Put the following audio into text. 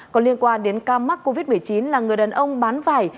có liên quan đến ca mắc covid một mươi chín là người đàn ông bán vải